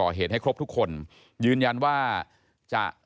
ก็มีการออกรูปรวมปัญญาหลักฐานออกมาจับได้ทั้งหมด